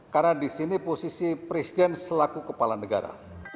karena di sini posisi presiden selaku kepala negara